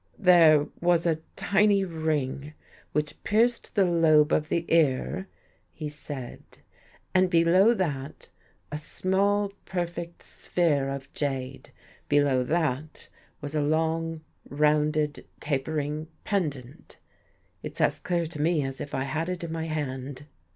" There was a tiny ring which pierced the lobe of the ear," he said, " and below that, a small perfect sphere of jade; below that was a long, rounded, 67 THE GHOST GIRL tapering pendant. It's as clear to me as if I had it in my hand."